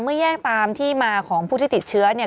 แยกตามที่มาของผู้ที่ติดเชื้อเนี่ย